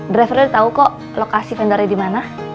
driver dia tau kok lokasi vendernya dimana